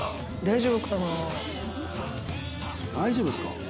大丈夫ですか？